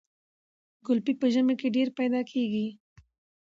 ګلپي په ژمي کې ډیر پیدا کیږي.